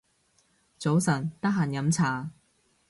早晨，得閒飲茶